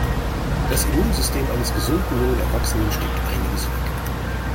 Das Immunsystem eines gesunden, jungen Erwachsenen steckt einiges weg.